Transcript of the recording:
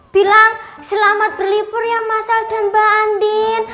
bilang selamat berlibur ya masal dan mbak andin